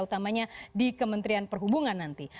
utamanya di kementerian perhubungan nanti